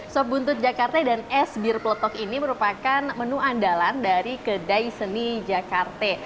sop buntut jakarta dan es bir peletok ini merupakan menu andalan dari kedai seni jakarta